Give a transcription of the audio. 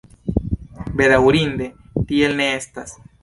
Bedaŭrinde, tiel ne estas.